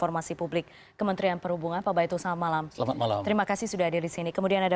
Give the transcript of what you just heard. bapak terima kasih sudah ada di sini